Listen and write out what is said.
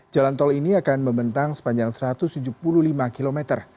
jalan tol ini akan membentang sepanjang satu ratus tujuh puluh lima km